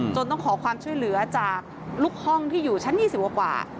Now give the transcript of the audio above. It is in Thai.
ต้องขอความช่วยเหลือจากลูกห้องที่อยู่ชั้น๒๐กว่า